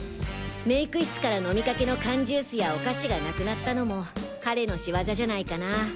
メイク室から飲みかけの缶ジュースやお菓子がなくなったのも彼のしわざじゃないかな。